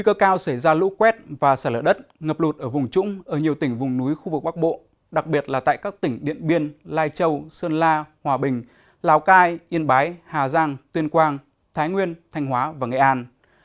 các lũ quét và sả lỡ đất ngập lụt ở vùng trũng ở nhiều tỉnh vùng núi khu vực bắc bộ đặc biệt là tại các tỉnh điện biên lai châu sơn la hòa bình lào cai yên bái hà giang tuyên quang thái nguyên thanh hóa và nghệ an